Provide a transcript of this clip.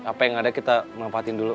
apa yang ada kita menempatin dulu